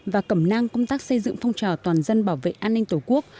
và cẩm nang công tác xây dựng phong trào toàn dân bảo vệ an ninh tổ quốc